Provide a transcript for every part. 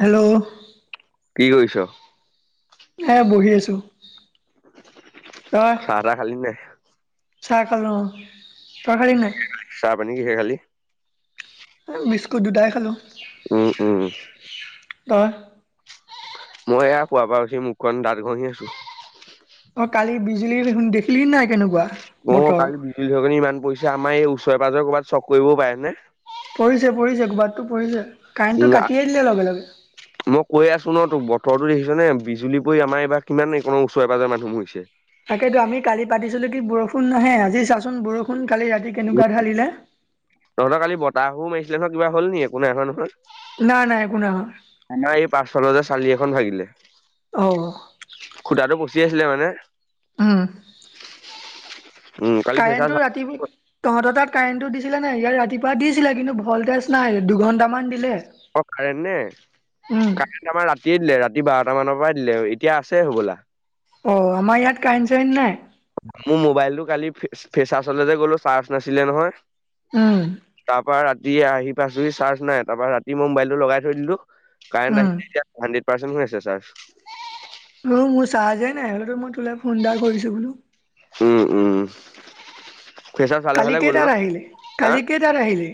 Hello কি কৰিছোঁ এ বহি আছোঁ চা টা খালি নাই চাহ খালো তই খালি নাই চাহ পানী কিহেই খালি বিস্কুট দুটাই খালোঁ উম উম ত মই এয়া পুৱা বাৰ উচি মুখখন দাঁত ঘহি আছোঁ অ কালি বিজুলী দেখোন দেখি অ কালি বিজুলী সৰি ইমান পইচা আমাৰ এই ওচৰে পৰিছে ওচৰে পাজৰে ক'ৰবাত চট কৰিবও পাৰে নে পৰিছে পৰিছে কৰবাততো পৰি়ছে উ মই কৈ আছো ন তোৰ পৰতো দেখিছে নে বিজুলী পৰি আমাৰ এইবাৰ কিমান এই কো ওচৰে পাজৰ মানুহ হৈছে তাকেতো আমি কালি পাতিছিলো কি বৰষুণ নাহে আজি চাচোন বৰষুণ কালি ৰাতি কেনেকুৱা ঢালিলে তাহো মিছিলে নহয়িবা হল নিক একো নাই নয় নহয় নাই নাই একো নাই হোৱা এই পাচফালজ চালি এখন ভাগিলে অহ তটো কুচি আছিলে মানে উম কালি ফ্ৰেছাৰ্ছ কাৰেণ্টটো ৰাতি তহঁতৰ তাত কাৰেণ্টটো দিছিলে নাই ইয়াত ৰাতিপুৱা দিছিলে কিন্তু ভল্টেজ নাই দুঘণ্টামান দিলে অ কাৰেণ্ট নে উম কাৰেণ্ট আমাৰ ৰাতিয়ে দিলে ৰাতি ৰাতি বাৰটা মানৰ পৰা দিলে এতিয়া আছে হ'বলা অ আমাৰ ইয়াত কাৰেণ্ট চাৰেণ্ট নাই মোৰ মোবাইলতটো কালি ফেচাৰলে যে গ'লো চাৰ্জ নাছিলে নহয় উম, তাৰ পৰা ৰাতিয় আহি পাইছোহি চাৰ্জ নাই তাৰ পৰাা ৰাতি মই মোবাইলটো লগাই থৈ দিলো কাৰেণ্ট উম। আহিলে এতিয়া হাড্ৰেড পাৰ্চেন্ট হৈ আছে চাৰ্জ অ মোৰ চাৰজেই নাই হলেতো মই তোলে ফোন এটা কৰিছো বোলো উম উম ফেচাৰ চালে কালি ফালে গ'ল কেইটাত ন আহিলি? হা কালি কেইটাত আহিলি?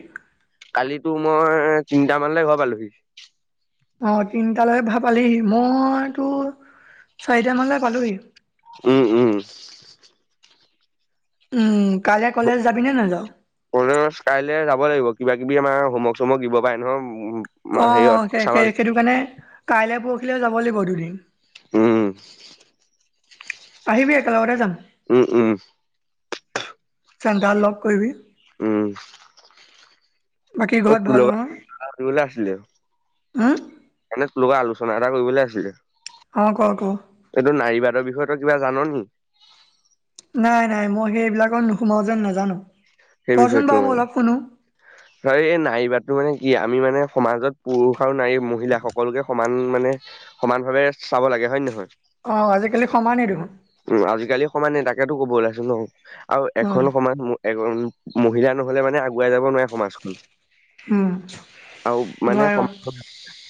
কালিতো মই তিনিটা মান লে ঘৰ পালোহি অ তিনটালৈকে ভাল পালিহি মইতো চাৰিটা মানলৈ পালোহি উম উম উম কাইলৈ কলেজ যাবি নে নাযাওঁ ক কাইলৈ যাব লাগিব কিবা কিবি আমাৰ হোমৰ্ক চোমৰ্ক দিব পাৰে নহ অ সেই সেইটো কাৰণে কাইলে পৰখিলেও যাব লাগিব দুদিন উম আহিবি একেলগতে যাম উম উম চন্দা লক কৰিবি উম বাকী ঘৰত ভাল নহয়? তুলালে আছিলে উম, এনে তুলা আলোচ এটা কৰিবলৈ আছিলে অ কোৱা ক ৰ বিষয়েতো কিবা জাননি নাই নাই মই সেইবিলাকৰ নোসোমাও যেন নাজানো সেই কচোন বিষয়টো বাৰু মই মানে অলপ শুনো। হয় এই নাইবাৰটো মানে কি আমি মানে সমাজত পুৰুষ আৰু নাৰী মহিলা সকলোকে সমান মানে সমান ভাৱে চাব লাগে হয়ে নহয় অ আজিকালি সমানেই দেখোন উ আজিকালি সমানে তাকেতো ক'ব ওলাইছো ন আৰু উম এখন সমান এ মহিলা নহলে মানে উাই যাব নোৱাৰে সমাজখন উম আৰু মানে নোৱাৰে সমাজ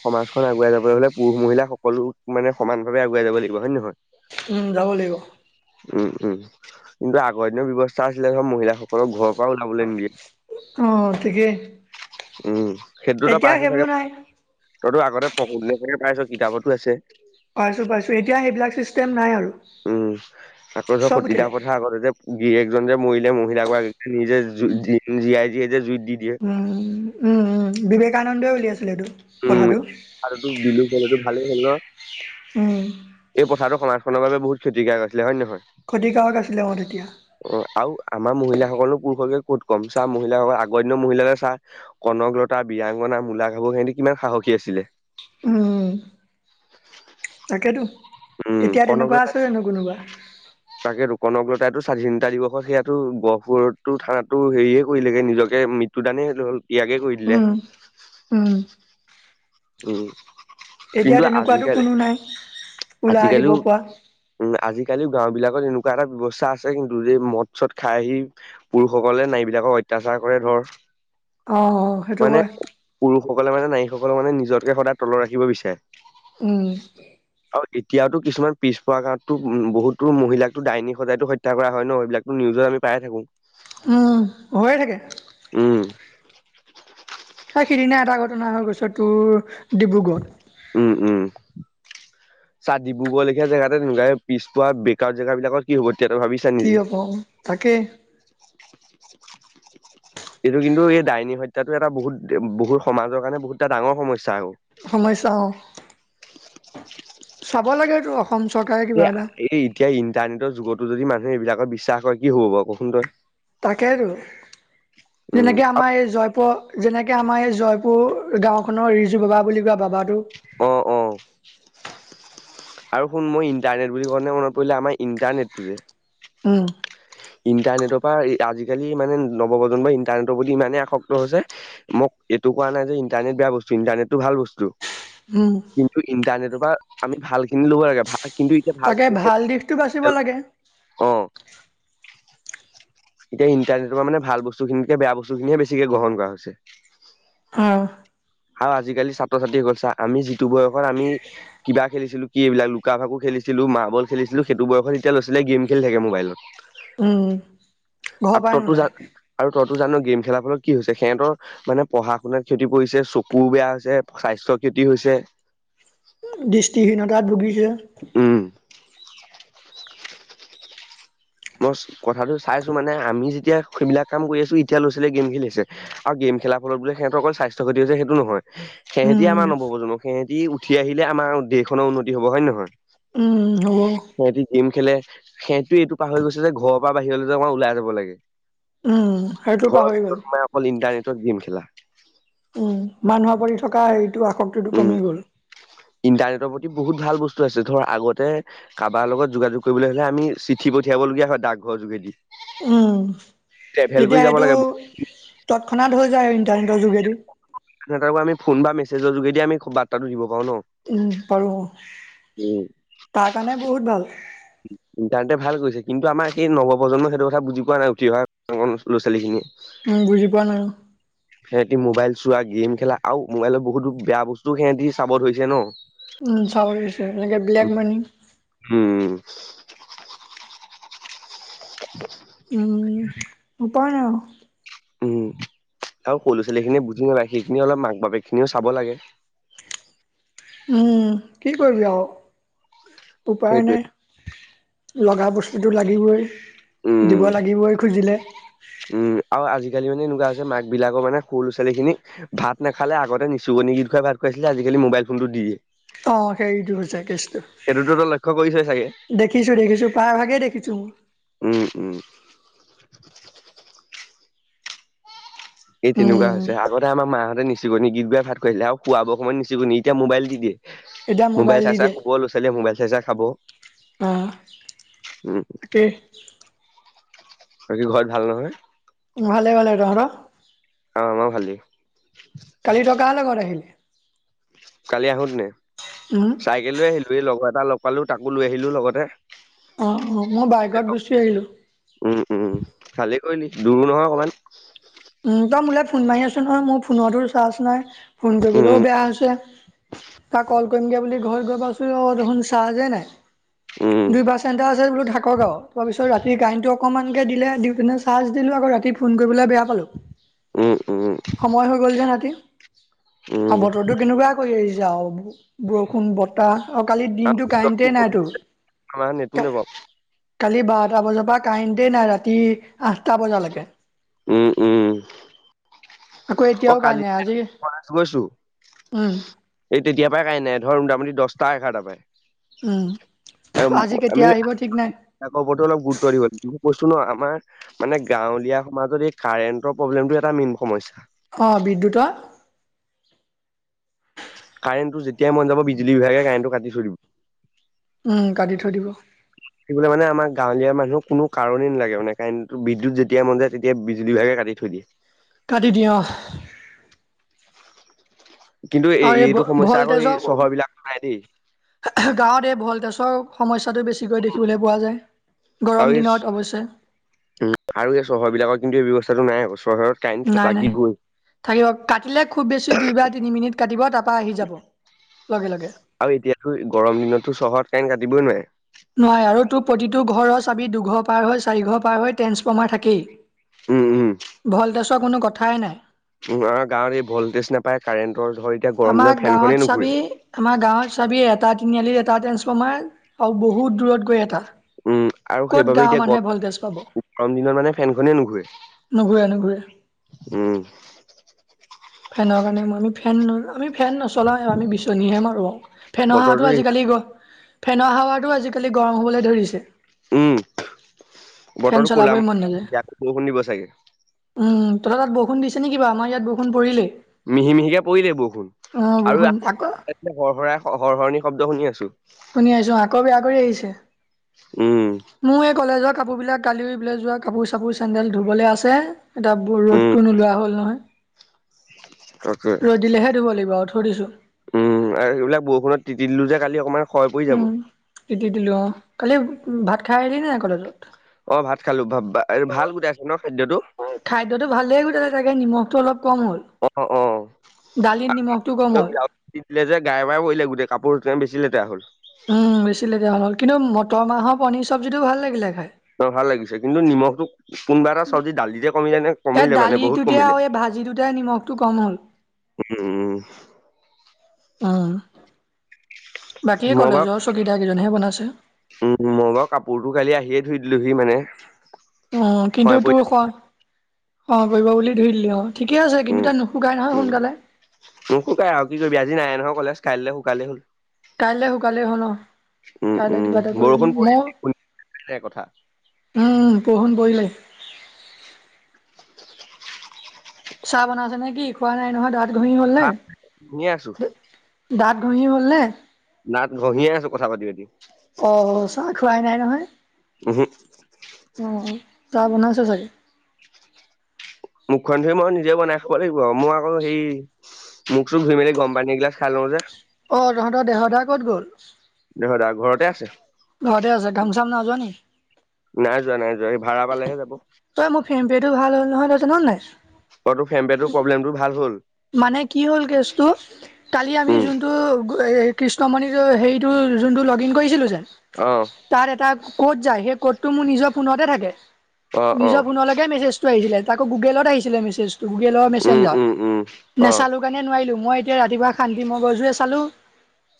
সমাজখন আগুৱাই যাবলৈ হলে পুৰুষ মহিলা সকলো মানে সমান ভাৱে আগুৱাই যাব লাগিব হয় নে নহয় উম যাব লাগিব উম উম কিন্তু আগৰ দিনৰ ব্যৱস্থা আছিলে ধৰক মহিলাসকলৰ ঘৰত অ ঠিকে উম সেইটোত পাইছ চাগে তইতো আগতে পঢ়োতে চাগে পাইছ কিতাপতো আছে পাইছো পাইছো এতিয়া সেইবিলাক চিষ্টেম নাই আৰু উম আকৌ চব সতী উঠিলে দাহ প্ৰথা আগতে যে গিৰিকজন যে মৰিলে মহিলাাগৰাকী নিজে জ জীয়াই জীয়াই যে জুই উম উম উম বিবেকানন্দই উলিয়াই উম আৰুটো বিলু হটো ভালেই হ'ল ন উম এই প্ৰথাটো সমাজখনৰ বাবে বহু কতিকাৰ আছিলে হয় নহয় ক্ষতিকাৰক আছিলে অ তেতিয়া অ আৰু আমাৰ মহিলাসকলো পুৰুষকে কুত কম চা মহিলাসকল আগৰ মহিলাকে চাহ কনককলতা ব্যাংগনা মূলা ঘাবু খেহ কিমান সাহসী আছিলে উম তাকেতো উম এতিয়া কনক তেনেকুৱা লত আছে জানো কোনোবা তাকেেতো কনক লতাইতো স্বাধীনতা দিৱসত সেয়াাতো গহপুৰতো থানাতো হেৰিয়ে কৰিলেগে নিজকে মৃত্যু দানে হ হ'ল ইয়াকে কৰিলে উম উম উম তেতিয়া কিন্তু তেনেকুৱাতো আজিকালি কোনো নাই ওলাই আহিব আজিকালিও পৰা উ আজিকালিও গাওঁ বিলাকত এনেকুৱা এটা ব্যৱস্থা আছে কিন্তু যে মদ চদ খাই আহি পুৰুষসকলে নাইবলাকক অত্যাচাৰ কৰে ধৰ অ অ সেইটো মানে হয় পুৰুষসকলে মানে নাৰীসকললে মানে নিজৰকে সদায় তলত ৰাখিব বিচাৰে উম এতিয়াতো কিছুমান পিছ পোৱা কাৰণতো উ বহুতো মহিলাকো দাইনী সজায়তো হত্যা কৰা হয় ন সবিলাকতো নিজ আমি পাই থাকো উম হৈয়ে থাকে উম সিদিনা এটা ঘটনা হৈ গৈছ তোৰ ডিব্ৰুগড় উম উম চাহ ডিব্ৰুগড লেখীয়া জেগাতে তেনেকুৱা পিছ পোৱা বে জেগা বিলাকত কি হব তেতিয়াত ভাবিছা কি নেকি হ'ব তাকেই এইটো কিন্তু এই ডাইনী হত্যাটো এটা বহুত বহুত সমাজৰ কাৰণে বহুত এটা ডাঙৰ সমস্যা আকৌ সমস্যা [inaudible] চাব লাগেটো এ এ এতিয়া ইণ্টাৰনেটৰ যুগতো যদি মানুহে এইবিলাকৰ বিশ্বাস কৰে কি হ'ব বাৰু কচোন তই তাকেইতো উম যেনেকে আমাৰ এই জয়পুৰ যেনেকৈ আমাৰ এই জয়পুৰ গাঁওখনৰ ৰিজু বাবা বুলি কোৱা বাবাটোক অ অ আৰু শুন মই ইন্টাৰনেট বুলি কওঁতে মনত পৰিলে আমাৰ ইণ্টাৰনেটটো যে উম ইণ্টাৰনেটৰ পৰা আজিকালি মানে নৱ প্ৰ্ৰজন্মৰ ইন্টাৰনেটৰ বুলি ইমানেই আসক্ত হৈছে মোক এইটো কোৱা নাই যে ইণ্টাৰনেট বেয়া বস্তু ইণ্টাৰনেটটো ভাল বস্তু উম কিন্তু ইন্টাৰনেটৰ পৰা আমি ভাল খিনি ল'ব লাগে ভাল কিন্তু এতিয়া ভাল তাকে দিশটো বাচিব লাগে অ এতিয়া ইণ্টাৰনেটৰ পৰা মানে ভাল বস্তুখিনে বেয়া বস্তু খিনিহে বেছিকে গ্ৰহণ কৰা হৈছে অহ আৰু আজিকালি ছাত্ৰ ছাত্ৰীসকল চা আমি যিটো বয়সত আমি কিবা খেলিছিলো কি এইবিলাক লুকা ভাকো খেলিছিলো খছিলো মাৰ্বল খেলিছিলো সেইটো বয়সত এতিয়া লৈছিলে গেম খেল থাকে মোবাইলত উম ঘৰৰ আৰু পৰাই ততো নোলায় যাক আৰু তত জানো গেম খেলাৰ ফলত কি হৈছে সিহতৰ মানে পঢ়া শুনাত ক্ষতি পৰিছে চ কোৰ বেয়া হৈছে স্বাস্থ্যৰ ক্ষতি হৈছে ডৃষ্টিহীনতাত ভূগীছে উম মই কথাটো চাইছো মানে আমি যেতিয়া সেইবিলাক কাম কৰি আছো এতিয়া ল'ৰা ছোৱালীয়ে গেম খেলিছে আৰু খেলা ফল বো সহঁত অকল স্বাস্থ্য্ষতি হৈছে সেইটো নহয় সেহতি উম আম নবো সেহ উঠি আহিলে আমাৰ দেশখনৰ উন্নতি হব হয় নে নহয় উম হ'ব সিহঁতে গেম খেলে সেই টো এইটো পাহৰি গৈছে যে ঘৰৰ পৰা বাহিৰলৈ যে অকমান ওলাই যাব লাগে উম সেইটো ঘৰৰ পাহৰি গ'ল ভিতৰত সোমাই অকল ইণ্টাৰনেটত গেম খেলা উম মানুহৰ পৰি থকা আসক্তিটো উম কমি গ'ল ইন্টাৰনেটৰ প্ৰতি বহুত ভাল বস্তু আছে ধৰ আগতে কাৰোবাৰ লগত যোগাযোগ কৰিবলৈ হলে আমি চিঠি পঠিয়াবলগীয়া হয় ডাকঘৰ যোগেদি উম্ ট্ৰেভেল এতিয়া কৰি যাব সেইটো লাগে তৎক্ষণাত হৈ যায় আৰু ইণ্টাৰনেটৰ যোগেদি সিহতক আমি ফোন বা মেছেজৰ যোগেদি আমি বাৰ্তাটো দিব পাৰো ন। উম পাৰো উম, তাৰ কাৰণে বহুত ভাল তাতে ভাল কৰিছে কিন্তু আমাৰ এইেই নৱপ্ৰজন্মই সেইটো কথা বুজি পোৱা নাই উঠি অহা ল'ৰা ছোৱালীখিনিয়ে উম বুজি পোৱা নাই সেহেতি মোবাইল চোৱা গেম খেলা আও মোবাইলত বহুতো বেয়া বস্তু সেহেতি চাব ধৰিছে ন উম চাবৰিছে এনেকে বব্লেক মানি উম, উম উপায় না আ উম আৰু স'ৰু ছোৱালী খিনিয়ে বুজি নাপায় সেইখিনি অলপ মাক বাপেক খিনিও চাব লাগে। [unintelligible] উম কি কৰিবি আও উপায় সেইটোৱে নাই লগা বস্তুটো লাগিবই উম দিব লাগিবই খুজিলে আজিকালিমানে এনেকুৱা হৈছে মাক বিলাকৰ মানে সৰু লৰা ছোৱালীখিনি ভাত নেখালে আগতে নিচুনি গীত গুৱাই ভাত খুৱাইছিলে আজিকালি মোবাইল ফোনটো দি দিয়ে। অ হেৰিতটো হৈছে কৃচ সেইটোতো তই লক্ষ্য কৰিছই চাগে? দেখিছো দেখিছো প্ৰায় ভাগে দেখিছো মোৰ উম উম এই তেনেকুৱা উম হৈছে আগতে আমাৰ মাহঁতে নিশ্চয় নিচুকণি গীত গাই ভাত খুৱাইছিলে আৰু খুৱাবৰ সময় নিচুকণি এতিয়া মোাইল দি দিয়ে মোবাইল চাইচা খুব ল'ৰা ছোৱালীয়ে মোবাইল চাইচা খাব। আহ উম তাকে বাকী ঘৰত ভাল নহয় ভালে ভালে তহঁতৰ? অ আমাৰো ভালেই কালি তই কাৰ লগত আহিলি কালি আহোতনে উম চাইকেল লৈ আহিলো এই লগৰ এটা লগ পালো তাকো লৈ আহিলো লগতে অ অ মই বাইকত গুচি আহিলো। উম উম ভালেই দূৰো নহয় অকণমান উ তই মোলৈাই ফোন মাৰি আছ নহয় মোৰ ফোনতো চাৰ্জ নাই ফোন উম, কৰিবলৈও বেয়া হৈছে তা কল কৰিমগে বুলি ঘৰত গৈ পাচোগে আও দেখোন চাজ এ নাই উম, দুই পাচেন্তে আছে বোলো থাকক আও তাৰপিছত ৰাতিৰ কাৰেণ্ট টো অকনমান কে দিলে দি পিনে চাৰ্জ দিলো ৰাতি ফোন কৰিবলৈ বেয়া পালো, উম, উম, সময় হৈ গ'ল যে ৰাতি অ উম। বতৰটো কেনেকুৱা কৰি আহিছে আও বৰষুণ, বতাহ আৰু কালি দিনটো কাৰেণ্টে নাই আটো আমাহ নেটো নে বাওঁ কালি বাৰটা বজাৰ পৰা কাৰেণ্ট এ নাই ৰাতি আঠটা বজালৈকে উম উম আকৌ অ এতিয়াও কালি কাৰেণ্ট নাই, আজি গৈছো উম, এই তেতিয়া তাই কাৰেণ্ট নাই ধৰ মোটামুটি দচটা এঘাৰটা পাই উম। আজি আমি কেতিয়া আহিব ঠিক নাই ওপৰতো অলপ গুৰুত্ব দিব লাগ কৈছো ন আমাৰ মানে গাঁৱলীয়া সমাজত এই কাৰেণ্টৰ প্ৰব্লেমটো এটা মেইন সমস্যা অ বিদ্যুৎ ৰ কাৰেণ্টটো যেতিয়াই মন যাব বিজুলী বিভাগে কাৰেণ্টটো কাটি থৈ দিব উম কাটি থৈ দিব। সেইবুলি মানে আমাৰ গাঁৱলীয়া মানুহৰ কোনো কাৰণেই নালাগে মানে কাৰণ বিদ্যুত যেতিয়া মন যায় তেতিয়া বিজুলী বিভাগে কাটি থৈ দিয়ে কাটি দওঁ কিন্তু আৰু এই এইটো সমস্যা ভল আকৌ এই তেজক চহৰ বিলাকত নাই দেই। গাঁৱত এই ভল তেজ চৰ সমস্যাটো বেছিকৈ দেখিবলৈ পোৱা যায় গৰম আৰু এই দিনত অৱশ্যে উ আৰু এই চহৰ বিলাকৰ কিন্তু এই ব্ৱস্থাটো নাই কচোন কাইণ্ট নাই নাই লাগিবৈ থাকিব কাটিলে খুব বেছি দুই বা তিনি মিনিট কাটিব তাৰপা আহি যাব লগে লগে আৰু এতিয়াাতো গৰম দিনতো চহৰত কাৰেণ্ট কাটিবই নোৱাৰে নহয় আৰু তোৰ প্ৰতিটো ঘৰৰ চাবি দুঘৰ পাৰ হৈ চাৰি ঘৰ পাৰ হৈ ট্ৰেন্সফৰ্মাৰ থাকেই উম, উম, ভলটছৰ কোনো কথাই নাই উম আমাৰ গাঁৱত এই ভল্টেজ নাপায় কাৰেণ্টৰ ধৰ এতিয়া গৰম দিনৰত ফেনখনেই নুঘুৰে চাবিয এটা তিনিআলিত এটা ট্ৰেন্ঞ্চফৰ্মাৰ আৰু বহুত দূৰত গৈ এটা উম আৰু ক'ত সেইবাবে গাঁৱৰ এতিয়া মানুহে ভল্টেজ পাব গম গৰম দিনত মানে ফেনখনে নুঘূৰে নুঘূৰে নুঘৰেে উম ফেনৰ কাৰণে আমি ফেন ন আমি ফেন নচলাই আমি বিচনীহে মাৰো ফেনৰ বতৰটো হাৱাটো দেখিছা আজিকালি গ--ফেনৰ হাৱাতো আজিকালি গৰম হবলৈ ধৰিছে উম ফেন বতৰটো ক'লা চলাবই ম- মন নাযায় ইয়াতো বৰষুণ দিব চাগে উম ত তাত বৰষুণ দি চ নেকিবা আমাৰ ইাত বৰু পৰিলে মিহি মিহিকে পৰিলে বৰষুণ আৰুৰ বৰষুণ আকৌ শই হৰ শৰণি শব্দ শুনি আছো শুনি আহিছো আকৌ বিয়া কৰি আহিছে উম, মোৰ এই কলেজত কাপোৰ বিলাক কালি বিলাই যোৱা কাপোৰ চাপোৰ চেন্দেল ধুবলৈ আছে এটা উম, ৰ'দটো নোলোৱা হ'ল নহয় তাকে ৰ'দ দিলেহে ধুব লাগিব আৰু থৈ দিছো উম আৰু এইবিলাক বৰষুণত তিতি দিলো যে কালি অকমান ক্ষয় পৰি যাব। উম তিতি দিলো অ কালি ভাত খাই আহিলি নোই কলেজত অ ভাত খালো ভ ভাল গুজাই আছে ন খাদ্যটো খাদ্যতো ভালেই গুছে চাগে নিমখটো অলপ অ অ দালি দি দিলে যে গাই বাই পৰিলে গোটেই কাপোৰ বেছি লেতেৰা হ'ল উম বেছি লেগীয়া হ হ'ল কিন্তু মটৰ মাহৰ পনীৰ চব্জিটো ভাল লাগিলে খাই অ ভাল লাগিছে কিন্তু নিমখটোোক কোনোবা এটা চব্জি ডাল দি দ এই দালিটোতে আৰু এই ভাজিটোতে নিমখটো কম হ'ল উম উম উম বাকী মই বাৰু কলেজৰ চকীদাৰ কেইজননেহে বনাইছে উম মই বাৰু কাপোৰটো কালি আহিয়ে ধুই দিলোহি মানে অ কিন্তু হয় পৰি তোৰ খোৱা কৰিব বুলি ধৰি দিলি অ ঠিকে আছে কিন্তু উম তাত নুশুকাই নহয় উম সোনকালে মোকো কাই আৰু কি কৰিবি আজি নাই নহয় কলেজ কাইলৈ শুকালে হ'ল কাইলৈ শুকালে হ'ল উম কাইলৈ উম কিবা এটা কৰি বৰষুণ পৰি ম শুনিবি নাই কথা উম বৰষুণ পৰিলে চাহ বনাইছে নে কি খোৱা নাই নহয় দাঁত ঘঁহি হল নে কথা শুনিয়ে আছো দাঁত উহি হলে নাত ঘহি আছো কথা পাতি পাতি অ চাহ খোৱাই নাই নহয় উহু অ', চাহ বনাইে চাগে মুখখন ধুই মই নিজে বনাই খাব লাগিব মই আকৌ সেই মুখটোো ধুই মেলি গম পানী এইগিলাচ খাই লওঁ যে অ', তহঁতৰ দেহদা ক'ত গ'ল? হদা ঘৰতে আছে। ঘৰতেই আছে, কাম-চাম নাই যোৱা নেকি? নাই যোৱা নাই যোৱা, এই ভাৰা পালেহে যাব। তই মোৰ ফেমপেটো ভাল হ'ল নহয়, তই জান নে নাই? অ তোৰ ফেমপেটোৰ উম, প্ৰব্লেমটো ভাল হ'ল মানে কি হ'ল কেছ টো কালি আমি উম যোনটো কৃষ্ণমণি হেৰিটো যোনটো লগ ইন কৰিছিলোঁ যে, অ তাৰ এটা ক'ড যায় সেই ক'তটো মোৰ নিজৰ ফোনতে থাকে অ অ নিজৰ ফোনলৈকে মেছেজটো আহিছিলে, তাকো গুগেলত আহিছিলে মেছেজটো। গুগেলৰ উম মেছেঞ্জাৰত, উম উম অ নাচালো কাৰণে নোৱাৰিলো মই এতিয়া ৰাতিপুৱা শান্তি মগজুৰে চালোঁ,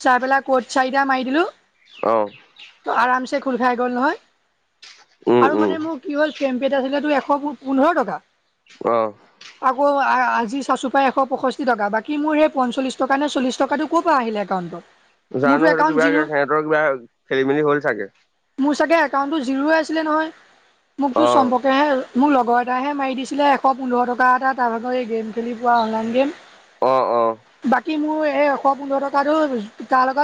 চাই পেলাই ক'ৰ্ট চাৰিটা মাৰি দিলোঁ। অহ। খোল খাই গ'ল নহয় উম আৰু উম মানে মোৰ কি হ'ল। ফেমপেত আছিলো এশ পোন্ধৰ টকা অ আকৌ আজি চাচু পাই এশ পয়ষষ্ঠি টকা, বাকী মোৰ সেই পঞ্চলিছ টকা নে চল্লিছ টকাটো ক'ৰ পৰা আহিলে একাউণ্টত। জানো মোৰতো সেইটো একাউণ্ট কিবা জিৰ' সিহঁতৰ কিবা খেলি মেলি হ'ল চাগে। মোৰ চাগে একাউণ্টটো জিৰো আছিলে নহয়, মোকতো অ চম্পকেহে মোৰ লগৰ এটাহে মাৰি দিছিলে এশ পোন্ধৰ টকা এটা, তাৰ ভাগৰ এই গেম খেলি পোৱা অনলাইন গেম। অ অ বাকী মোৰ এই এশ পোন্ধৰ টকাতো তাৰ লগত